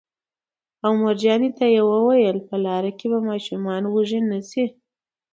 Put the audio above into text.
او مورجانې ته یې وویل: په لاره کې به ماشومان وږي نه شي